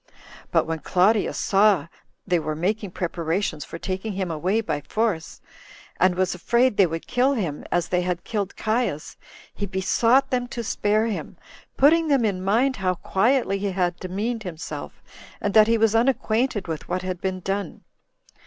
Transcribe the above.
But when Claudius saw they were making preparations for taking him away by force, and was afraid they would kill him, as they had killed Caius, he besought them to spare him, putting them in mind how quietly he had demeaned himself, and that he was unacquainted with what had been done.